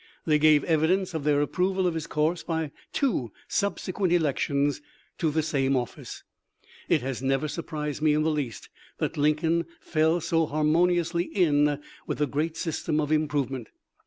They gave evidence of their approval of his course by two subsequent elections to the same office. It has never surprised me in the least that Lincoln fell so harmoniously in with the great system of im provement.